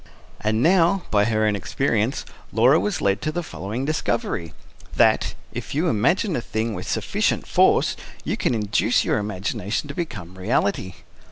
And now, by her own experience, Laura was led to the following discovery: that, if you imagine a thing with sufficient force, you can induce your imagining to become reality.